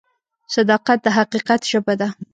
صداقت د حقیقت ژبه ده.